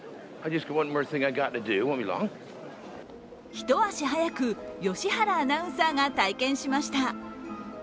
一足早く、良原アナウンサーが体験しました。